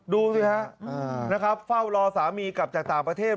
ดูสิฮะนะครับเฝ้ารอสามีกลับจากต่างประเทศ